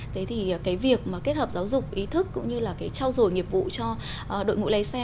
thế thì cái việc mà kết hợp giáo dục ý thức cũng như là cái trao dổi nghiệp vụ cho đội ngũ lái xe